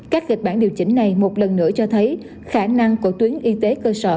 các kịch bản điều chỉnh này một lần nữa cho thấy khả năng của tuyến y tế cơ sở